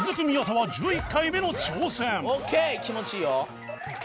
気持ちいいよ。